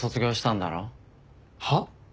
はっ？